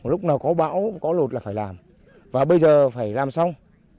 lúc nào có bão có lụt là phải làm và bây giờ phải làm xong